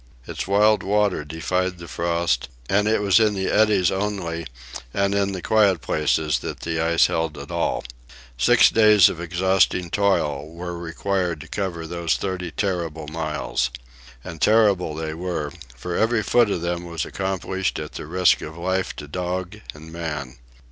Its wild water defied the frost, and it was in the eddies only and in the quiet places that the ice held at all. Six days of exhausting toil were required to cover those thirty terrible miles. And terrible they were, for every foot of them was accomplished at the risk of life to dog and man.